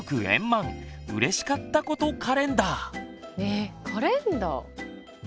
えっカレンダー。